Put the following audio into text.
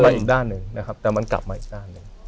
อีกด้านหนึ่งนะครับแต่มันกลับมาอีกด้านหนึ่ง